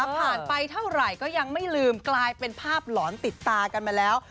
ผ่านไปก็ยังไม่ลืมเป็นภาพหลอนติดตามาแล้ว